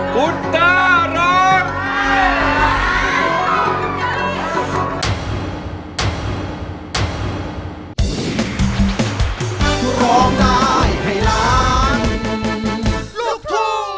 คุณตาร้อง